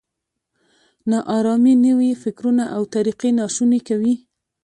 نا ارامي نوي فکرونه او طریقې ناشوني کوي.